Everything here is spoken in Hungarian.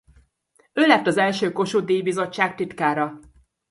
Ő lett az első Kossuth-díj Bizottság titkára.